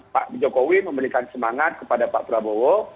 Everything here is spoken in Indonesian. pak jokowi memberikan semangat kepada pak prabowo